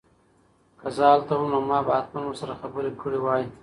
که زه هلته وم نو ما به حتماً ورسره خبرې کړې وای.